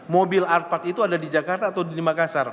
mobil art part itu ada di jakarta atau di makassar